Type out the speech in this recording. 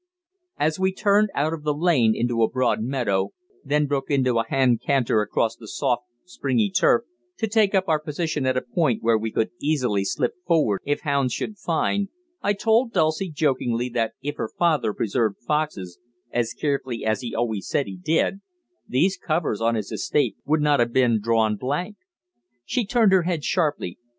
As we turned out of the lane into a broad meadow, then broke into a hand canter across the soft, springy turf, to take up our position at a point where we could easily slip forward if hounds should find, I told Dulcie jokingly that if her father preserved foxes as carefully as he always said he did, these covers on his estate would not have been drawn blank. She turned her head sharply.